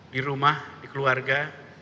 di rumah di keluarga